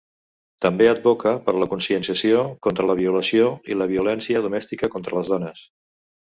També advoca per la conscienciació contra la violació i la violència domèstica contra les dones.